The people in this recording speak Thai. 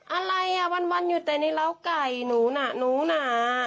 อะไรอ่ะวันอยู่แต่ในร้าวไก่หนูน่ะหนูหนา